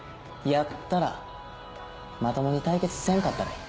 やったらまともに対決せんかったらいい。